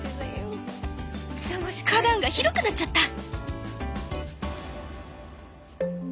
花壇が広くなっちゃった！